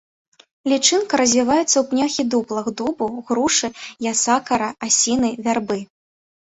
Лічынка развіваецца ў пнях і дуплах дубу, грушы, ясакара, асіны, вярбы.